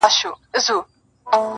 سري وخت دی، ځان له دغه ښاره باسه,